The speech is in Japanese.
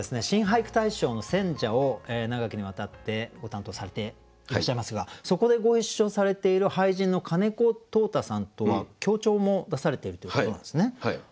新俳句大賞の選者を長きにわたってご担当されていらっしゃいますがそこでご一緒されている俳人の金子兜太さんとは共著も出されているということなんですね。